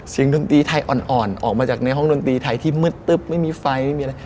ดนตรีไทยอ่อนออกมาจากในห้องดนตรีไทยที่มืดตึ๊บไม่มีไฟไม่มีอะไร